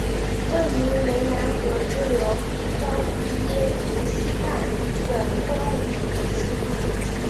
位于湄南河支流昭披耶河西畔的吞武里区。